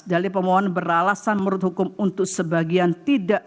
dalil pemohon beralasan menurut hukum untuk sebagian tidak